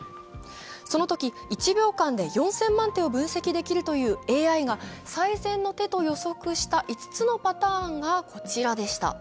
そのとき１秒間で４０００万手を分析できるというＡＩが最善の手と予測した５つのパターンがこちらでした。